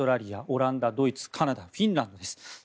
オランダ、ドイツカナダ、フィンランドです。